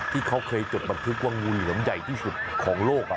ที่เขาเคยจดบันทึกว่างูเหลือมใหญ่ที่สุดของโลก